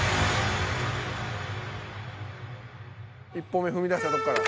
１歩目踏み出したとこから。